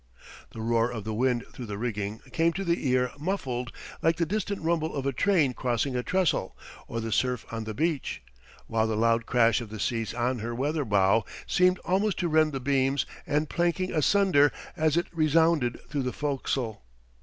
The roar of the wind through the rigging came to the ear muffled like the distant rumble of a train crossing a trestle or the surf on the beach, while the loud crash of the seas on her weather bow seemed almost to rend the beams and planking asunder as it resounded through the fo'castle.